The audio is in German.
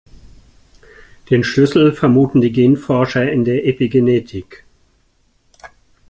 Den Schlüssel vermuten die Genforscher in der Epigenetik.